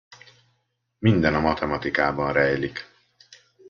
Minden a matematikában rejlik.